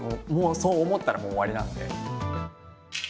そう思ったらもう終わりなので。